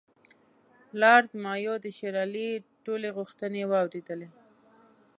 لارډ مایو د شېر علي ټولې غوښتنې واورېدلې.